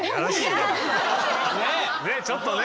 ねえちょっとね。